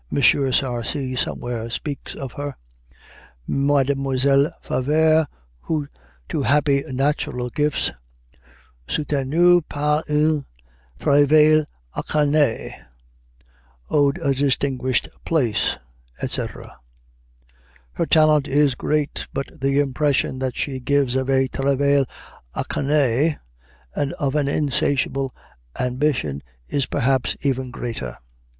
Sarcey somewhere speaks of her: "Mlle. Favart, who, to happy natural gifts, soutenus par un travail acharné, owed a distinguished place," etc. Her talent is great, but the impression that she gives of a travail acharné and of an insatiable ambition is perhaps even greater.